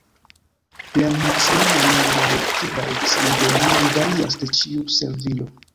La maksimuma nombro de tribaj samideanoj varias de ĉiu servilo.